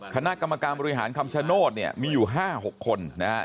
คณะกรรมการบริหารคำชโนธเนี่ยมีอยู่๕๖คนนะครับ